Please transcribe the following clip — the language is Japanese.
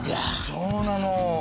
そうなの。